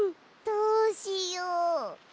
どうしよう。